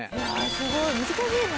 すごい難しいな。